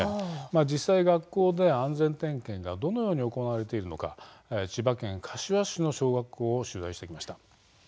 実際、学校で安全点検がどのように行われているのか千葉県柏市の小学校を取材してきました。